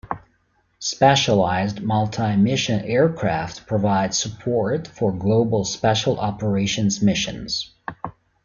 Specialized multi-mission aircraft provide support for global special operations missions.